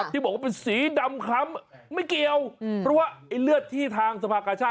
ที่บอกว่าเป็นสีดำคล้ำไม่เกี่ยวเพราะว่าไอ้เลือดที่ทางสภากาชาติ